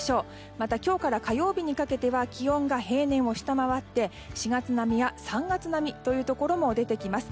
また、今日から火曜日にかけては気温が平年を下回って４月並みや３月並みというところも出てきます。